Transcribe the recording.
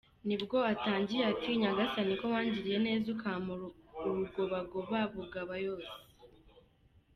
" Nibwo atangiye ati "Nyagasani ko wangiriye neza ukampa Rugobagoba, Bugaba yo se ?".